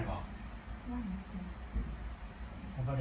อาทิตย์ไม่ควรล่ะ